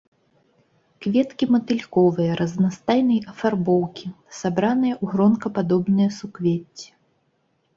Кветкі матыльковыя, разнастайнай афарбоўкі, сабраныя ў гронкападобныя суквецці.